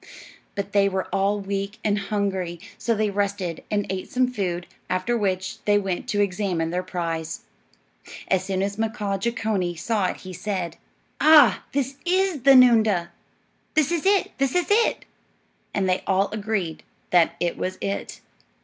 But they were all weak and hungry, so they rested and ate some food, after which they went to examine their prize. As soon as Mkaaah Jeechonee saw it he said, "Ah, this is the noondah! This is it! This is it!" And they all agreed that it was it.